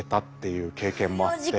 いう経験もあって。